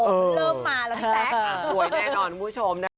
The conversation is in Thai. เริ่มมาแล้วพี่แป๊ก